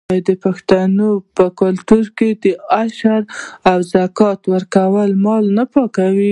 آیا د پښتنو په کلتور کې د عشر او زکات ورکول مال نه پاکوي؟